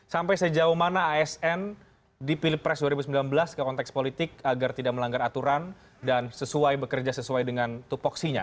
sampai sejauh mana asn di pilpres dua ribu sembilan belas ke konteks politik agar tidak melanggar aturan dan sesuai bekerja sesuai dengan tupoksinya